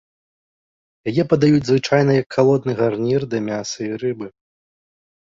Яе падаюць, звычайна, як халодны гарнір да мяса і рыбы.